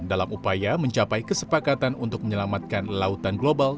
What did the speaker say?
dalam upaya mencapai kesepakatan untuk menyelamatkan lautan global